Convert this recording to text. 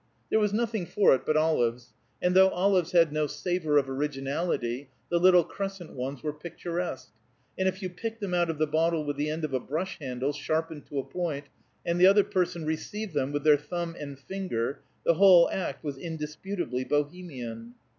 There was nothing for it but olives, and though olives had no savor of originality, the little crescent ones were picturesque, and if you picked them out of the bottle with the end of a brush handle, sharpened to a point, and the other person received them with their thumb and finger, the whole act was indisputably Bohemian.